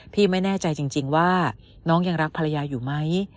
พี่ไม่แน่ใจจริงว่าน้องยังรักภรรยาอยู่ไหม